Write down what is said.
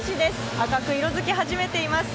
赤く色づき始めています。